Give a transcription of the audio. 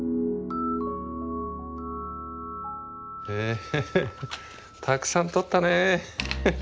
へえたくさん撮ったね。